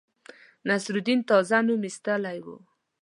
نصرالدین تازه نوم ایستلی وو.